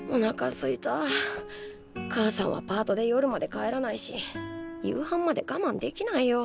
母さんはパートで夜まで帰らないし夕飯までがまんできないよ。